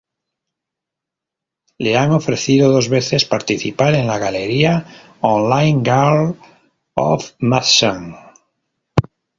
Le han ofrecido dos veces participar en la galería online Girls of Maxim.